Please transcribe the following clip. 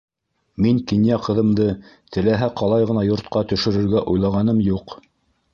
Мин кинйә ҡыҙымды теләһә ҡалай ғына йортҡа төшөрөргә уйлағаным юҡ.